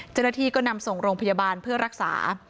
เจ้าหน้าที่ก็นำส่งโรงพยาบาลเพื่อรักษา